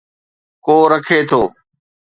ڪو رکي ٿو